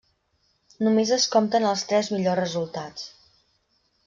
Només es compten els tres millors resultats.